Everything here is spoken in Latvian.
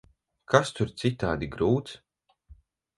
Kas tur citādi grūts?